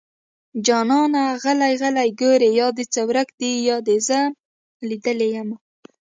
جانانه غلی غلی ګورې يا دې څه ورک دي يا دې زه ليدلې يمه